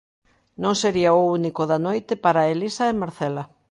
Non sería o único da noite para Elisa e Marcela.